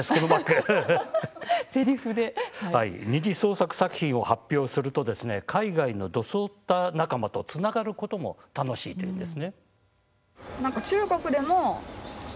二次創作作品を発表すると海外のドスオタ仲間とつながることも楽しいというんです。